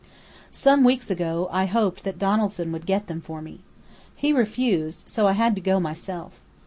"Some weeks ago I hoped that Donaldson would get them for me. He refused, so I had to go myself.